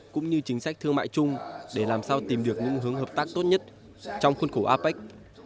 cũng như chính sách thương mại chung để làm sao tìm được những hướng hợp tác tốt nhất trong khuôn khổ apec